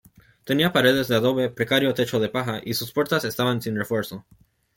Tenía paredes de adobe, precario techo de paja, y sus puertas estaban sin refuerzo.